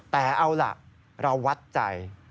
แต่เอาล่ะเราวัดใจ